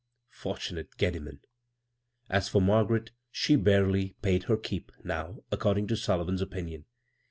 Fortunate Gedimen f As for Margaret — she barely "paid her keep " DOW, according to Sullivan's opinion.